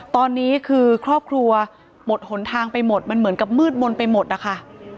ตอนนี้คือครอบครัวหมดหนทางไปหมดมันเหมือนกับมืดมนต์ไปหมดนะคะ